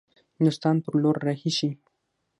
هندوستان پر لور رهي شي.